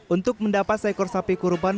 untuk mendapat seekor sapi kurban